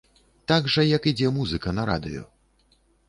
Так жа, як ідзе музыка на радыё.